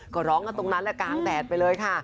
ก็ร้องกันตรงนั้นแหละกลางแดดไปเลยค่ะ